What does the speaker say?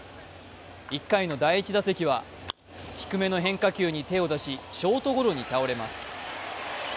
１回の第１打席は低めの変化球に手を出しショートゴロに倒れます。